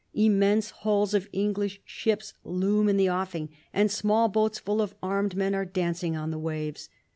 Immense hulls of English ships loom in the offing, and small boats full of armed men are dancing on the waves.